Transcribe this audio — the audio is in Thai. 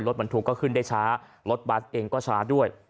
รถบรรทุกก็ขึ้นได้ช้ารถบัสเองก็ช้าด้วย